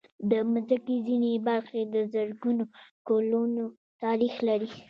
د مځکې ځینې برخې د زرګونو کلونو تاریخ لري.